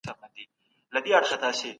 ځایی صنعت کاران هڅوني ته اړتیا لري.